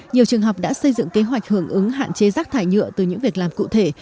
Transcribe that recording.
nhiều trường học đã xây dựng kế hoạch hưởng ứng hạn chế rác thải nhựa từ những việc làm cụ thể